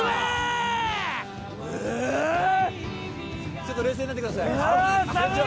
ちょっと冷静になってください。